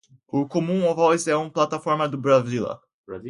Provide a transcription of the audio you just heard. O Common Voice é uma plataforma da Mozilla